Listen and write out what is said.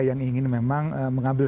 yang ingin memang mengambil